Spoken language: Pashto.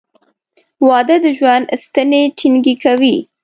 • واده د ژوند ستنې ټینګې کوي.